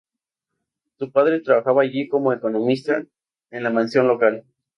Su padre trabajaba allí como economista en la mansión local.